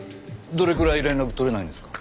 どれくらい連絡取れないんですか？